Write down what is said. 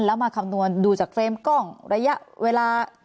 แล้วมาคำนวณดูจากเฟรมกล้องระยะเวลา